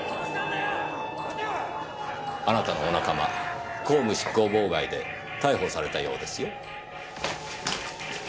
あなたのお仲間公務執行妨害で逮捕されたようですよ。